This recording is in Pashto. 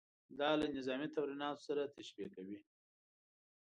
دا له نظامي تمریناتو سره تشبیه کوي.